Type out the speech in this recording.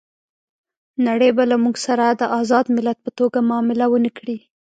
نړۍ به له موږ سره د آزاد ملت په توګه معامله ونه کړي.